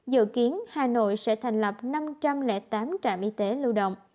dự kiến hà nội sẽ thành lập năm trăm linh tám trạm y tế lưu động